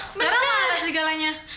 sekarang marah serigalanya